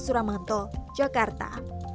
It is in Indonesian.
masyarakat suramanto jakarta